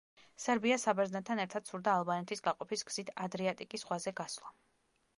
სერბიას საბერძნეთთან ერთად სურდა ალბანეთის გაყოფის გზით ადრიატიკის ზღვაზე გასვლა.